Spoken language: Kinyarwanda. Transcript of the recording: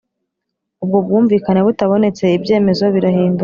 ubwo bwumvikane butabonetse ibyemezo birahinduka